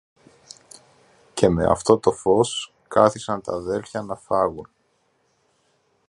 και με αυτό το φως κάθισαν τ' αδέλφια να φάγουν.